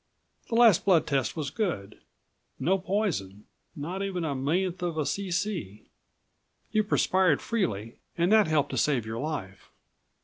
The last blood test was good. No poison not even a millionth of a c.c. You perspired freely, and that helped to save your life."